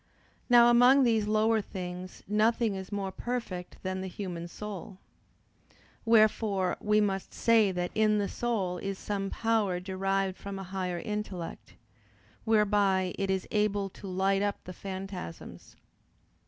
Now among these lower things nothing is more perfect than the human soul. Wherefore we must say that in the soul is some power derived from a higher intellect, whereby it is able to light up the phantasms.